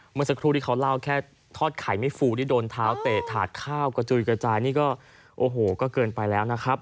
เมื่อสักครู่ที่เขาเล่าแค่ทอดไข่ไม่ฟูที่โดนเท้าเตะถาดข้าวกระจุยกระจายนี่ก็โอ้โหก็เกินไปแล้วนะครับ